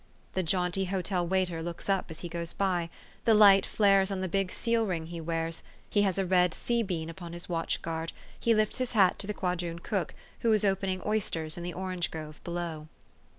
' The jaunty hotel waiter looks up as he goes by ; the light flares on the big seal ring he wears ; he has a red sea bean upon his watch guard ; he lifts his hat to the quadroon cook, who is opening oysters in the orange grove below.